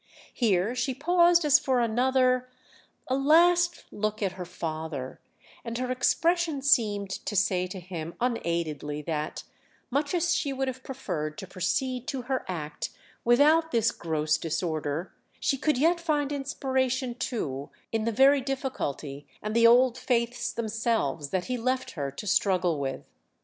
Here she paused as for another, a last look at her father, and her expression seemed to say to him unaidedly that, much as she would have preferred to proceed to her act without this gross disorder, she could yet find inspiration too in the very difficulty and the old faiths themselves that he left her to struggle with.